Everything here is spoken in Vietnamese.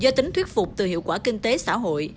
do tính thuyết phục từ hiệu quả kinh tế xã hội